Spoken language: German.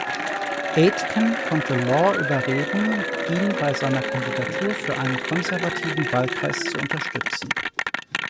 Aitken konnte Law überreden, ihn bei seiner Kandidatur für einen konservativen Wahlkreis zu unterstützen.